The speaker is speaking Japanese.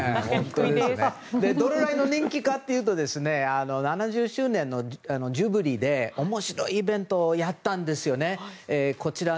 どれぐらいの人気かというと７０周年のジュビリーで面白いイベントをやったんですよね。